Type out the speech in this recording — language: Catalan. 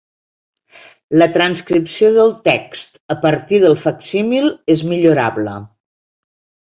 La transcripció del text a partir del facsímil és millorable.